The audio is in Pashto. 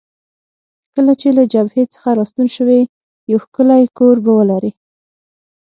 کله چې له جبهې څخه راستون شوې، یو ښکلی کور به ولرې.